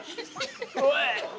おい！